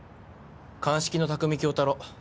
鑑識の匠京太郎。